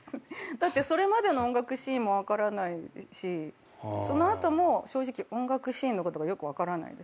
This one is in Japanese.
だってそれまでの音楽シーンも分からないしその後も正直音楽シーンのことがよく分からないです。